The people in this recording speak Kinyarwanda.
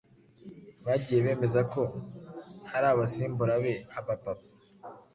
bagiye bemeza ko ari abasimbura be abapapa